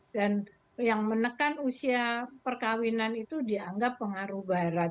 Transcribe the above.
dan yang menekan usia perkawinan itu dianggap pengaruh barat